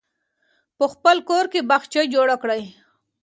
په خپل کور کې باغچه جوړه کړئ.